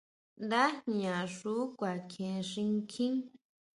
Ndajña xú kuakjien xinkjín.